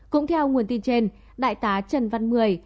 cũng theo nguồn tin trên đại tá trần văn mười